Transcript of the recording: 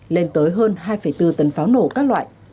lên tới hơn hai bốn tấn pháo nổ các loại